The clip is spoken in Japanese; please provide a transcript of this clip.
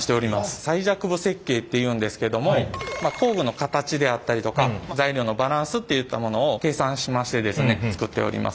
最弱部設計っていうんですけども工具の形であったりとか材料のバランスっていったものを計算しましてですね作っております。